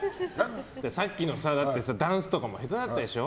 さっきのダンスとかも下手だったでしょ？